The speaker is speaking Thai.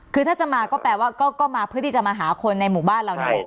คือถ้าจะมาก็แปลว่าก็มาเพื่อที่จะมาหาคนในหมู่บ้านเรานั่นแหละ